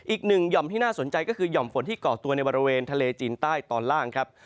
อีกหนึ่งห่อมที่น่าสนใจก็คือห่อมฝนที่เกาะตัวในบริเวณทะเลจีนใต้ตอนล่างครับ